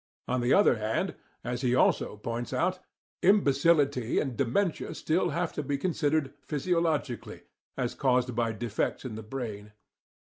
On the other hand, as he also points out (pp. 38 9), imbecility and dementia still have to be considered physiologically, as caused by defects in the brain.